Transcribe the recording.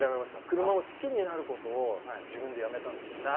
車を好きになることを自分でやめたんです。